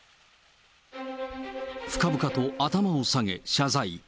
深々と頭を下げ、謝罪。